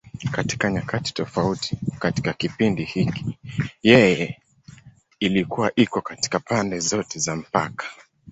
Katika nyakati tofauti katika kipindi hiki, yeye ilikuwa iko katika pande zote za mpaka.